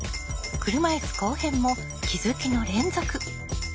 車いす後編も気づきの連続。